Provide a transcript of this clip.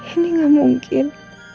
ini gak mungkin